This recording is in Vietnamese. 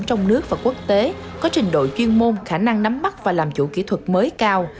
trong nước và quốc tế có trình độ chuyên môn khả năng nắm bắt và làm chủ kỹ thuật mới cao